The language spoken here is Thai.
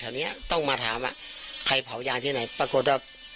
เนี้ยต้องมาถามว่าใครเผายางที่ไหนปรากฏว่า